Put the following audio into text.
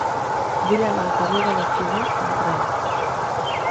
Vull anar al carrer de l'Espinoi amb tren.